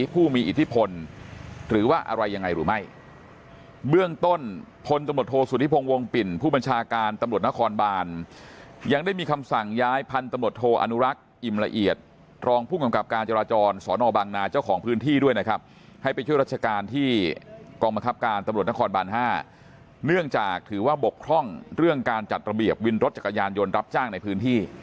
ผลตำรวจโทษสุดที่พงวงปิ่นผู้บัญชาการตำรวจนครบานยังได้มีคำสั่งย้ายพันตำรวจโทษอนุรักษ์อิ่มละเอียดรองผู้กำกับการจราจรสอนอบังนาเจ้าของพื้นที่ด้วยนะครับให้ไปช่วยรัชการที่กองบังคับการตำรวจนครบาน๕เนื่องจากถือว่าบกท่องเรื่องการจัดระเบียบวินรถจักรยานยนต์รับจ้างในพื้น